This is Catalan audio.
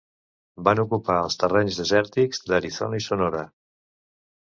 Van ocupar els terrenys desèrtics d'Arizona i Sonora.